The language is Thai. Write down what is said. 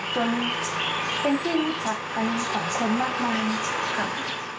จนเป็นที่นิกรับเป็นของคนมากมาย